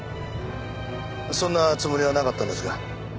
そんなつもりはなかったんですが。